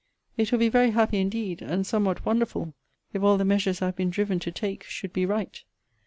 It will be very happy indeed, and somewhat wonderful, if all the measures I have been driven to take should be right.